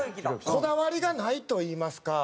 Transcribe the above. こだわりがないといいますか。